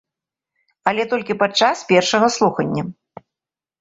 Але толькі падчас першага слухання.